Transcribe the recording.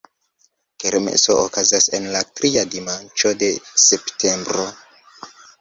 Kermeso okazas en la tria dimanĉo de septembro.